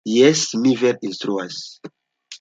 Jes, mi vere instruas.